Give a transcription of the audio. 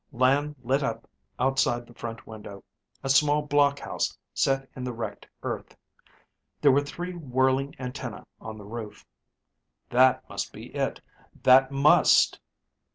Land lit up outside the front window; a small block house set in the wrecked earth. There were three whirling antennae on the roof. That must be it! That must!